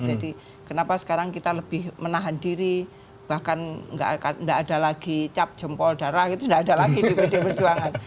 jadi kenapa sekarang kita lebih menahan diri bahkan nggak ada lagi cap jempol darah itu nggak ada lagi di pdi perjuangan